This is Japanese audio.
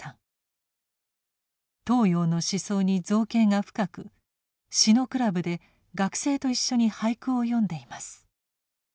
東洋の思想に造詣が深く詩のクラブで学生と一緒に俳句を詠んでいます。